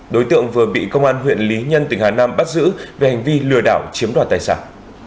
đối tượng vừa bị công an huyện lý nhân tỉnh hà nam bắt giữ về hành vi lừa đảo chiếm đoạt tài sản